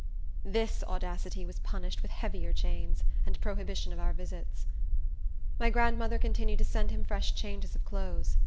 This audacity was punished with heavier chains, and prohibition of our visits. My grandmother continued to send him fresh changes of clothes.